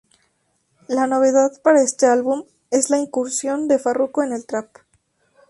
La novedad para este álbum es la incursión de Farruko en el Trap.